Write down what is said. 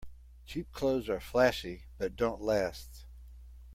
Cheap clothes are flashy but don't last.